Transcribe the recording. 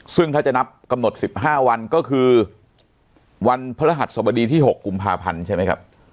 ซึ่งถ้าจะนับกำหนด๑๕วันก็คือวันพระรหัสสบดีที่๖กุมภาพันธ์ใช่ไหมครับ